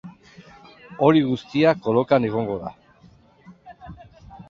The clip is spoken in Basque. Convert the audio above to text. Hori guztia kolokan egongo da.